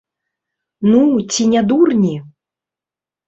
Ну, ці не дурні?